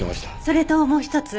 それともう一つ。